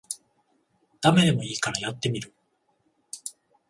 ダメでもいいからやってみる